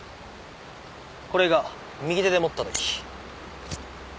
これが右手で持ったとき。